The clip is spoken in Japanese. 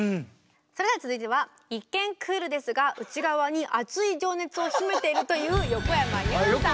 それでは続いては一見クールですが内側に熱い情熱を秘めているという横山裕さん。